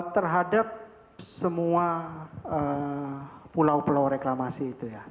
terhadap semua pulau pulau reklamasi itu ya